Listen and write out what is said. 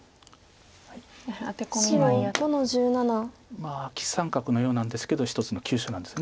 まあアキ三角のようなんですけど一つの急所なんです。